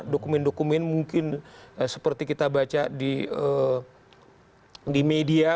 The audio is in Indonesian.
dokumen dokumen mungkin seperti kita baca di media